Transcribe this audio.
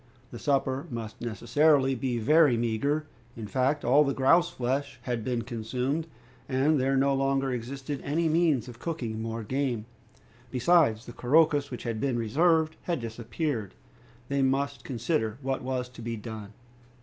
The supper must necessarily be very meager. In fact, all the grouse flesh had been consumed, and there no longer existed any means of cooking more game. Besides, the couroucous which had been reserved had disappeared. They must consider what was to be done.